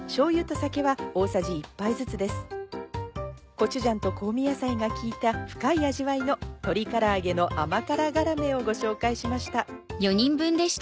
コチュジャンと香味野菜が効いた深い味わいの「鶏から揚げの甘辛がらめ」をご紹介しました。